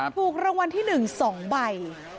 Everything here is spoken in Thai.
ถูกรางวัลที่๑๒ใบ